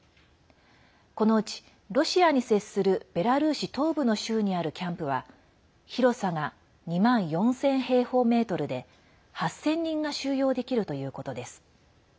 このうち、ロシアに接するベラルーシ東部の州にあるキャンプは、広さが２万４０００平方メートルで８０００人が収容できるということです。